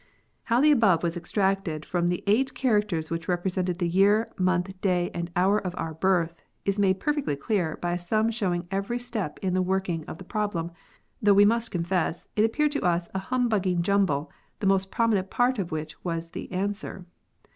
How the above was extracted from the eight characters which represented the year, month, day, and hour of our birth, is made perfectly clear by a sum showing every step in the working of the problem, though we must confess it appeared to us a humbugging jumble, the most prominent part of which was the answer.